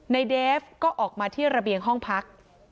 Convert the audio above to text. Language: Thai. เดฟก็ออกมาที่ระเบียงห้องพัก